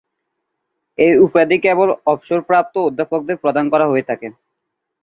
এই উপাধি কেবল অবসরপ্রাপ্ত অধ্যাপকদের প্রদান করা হয়ে থাকে।